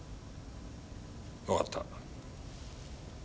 わかった。